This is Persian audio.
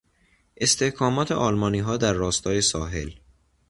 استحکامات آلمانیها در راستای ساحل